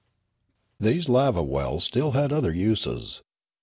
These lava wells had still other uses.